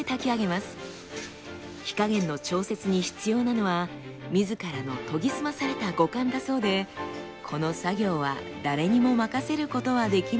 火加減の調節に必要なのは自らの研ぎ澄まされた五感だそうでこの作業は誰にも任せることはできないのだとか。